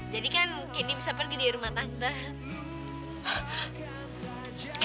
jadi kan candy bisa pergi di rumah tante